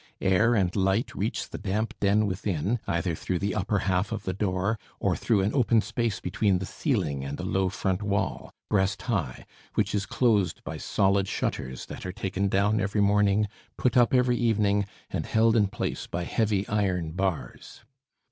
Air and light reach the damp den within, either through the upper half of the door, or through an open space between the ceiling and a low front wall, breast high, which is closed by solid shutters that are taken down every morning, put up every evening, and held in place by heavy iron bars.